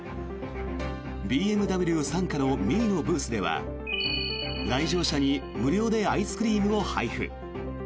ＢＭＷ傘下のＭＩＮＩのブースでは来場者に無料でアイスクリームを配布。